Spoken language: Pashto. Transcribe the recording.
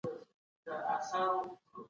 موږ باید له تېر څخه زده کړو.